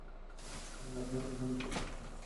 তাকে খাবার ও পানীয় পরিবেশন করা হল।